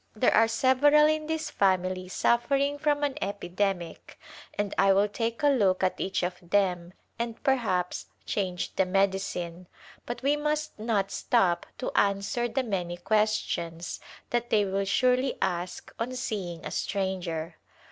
There are several in this family suffering from an epidemic and I will take a look at each of them and perhaps change the medicine, but we must not stop to answer the many questions that they will surely ask on seeing a stranger.